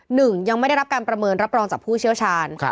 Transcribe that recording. หนึ่งยังไม่ได้รับการประเมินรับรองจากผู้เชี่ยวชาญ